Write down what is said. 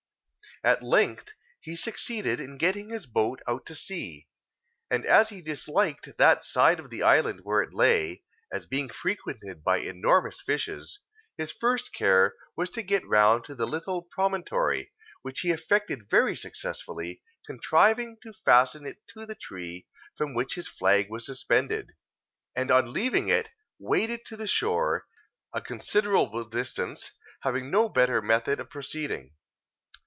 At length he succeeded in getting his boat out to sea; and as he disliked that side of the island where it lay, as being frequented by enormous fishes, his first care was to get round to the little promontory, which he effected very successfully, contriving to fasten it to the tree from which his flag was suspended, and on leaving it, waded to the shore, a considerable distance, having no better method of proceeding.